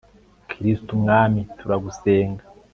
kristu mwami turagusenga